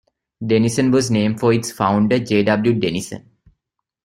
Denison was named for its founder, J. W. Denison.